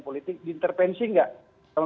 politik diintervensi nggak sama